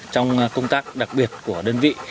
trong công tác đặc biệt của đơn vị